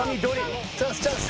チャンスチャンス。